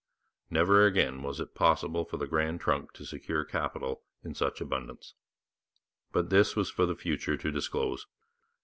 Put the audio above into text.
Never again was it possible for the Grand Trunk to secure capital in such abundance. But this was for the future to disclose.